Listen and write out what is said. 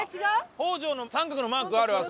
北条の三角のマークがある。